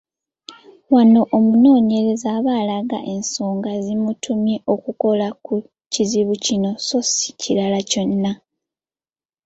Wano omunoonyereza aba alaga ensonga ezimutumye okukola ku kizibu kino so si kirala kyonna.